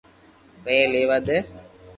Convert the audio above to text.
پيوا ليوا دي